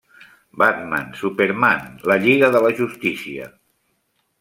Batman, Superman, La Lliga de la Justícia.